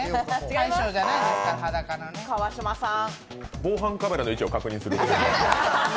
防犯カメラの位置を確認する。